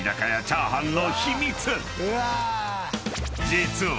［実は］